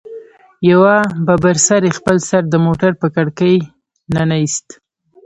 يوه ببر سري خپل سر د موټر په کړکۍ ننه ايست.